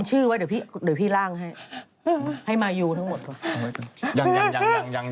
เส้นชื่อไว้เดี๋ยวพี่ล่างให้ให้มายูทั้งหมด